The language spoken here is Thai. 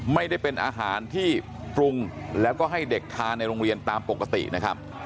ไม่ได้เป็นอาหารที่ปรุงแล้วก็ให้เด็กทานในโรงเรียนตามปกตินะครับ